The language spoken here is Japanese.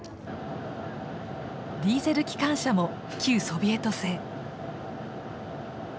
ディーゼル機関車も旧ソビエト製。